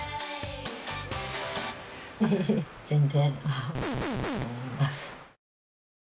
全然。